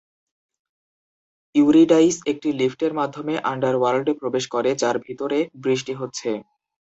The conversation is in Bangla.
ইউরিডাইস একটি লিফটের মাধ্যমে আন্ডারওয়ার্ল্ডে প্রবেশ করে, যার ভিতরে বৃষ্টি হচ্ছে।